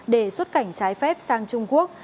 để xuất cảnh trái phép sang trung quốc